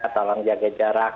tolong jaga jarak